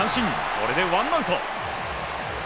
これでワンアウト。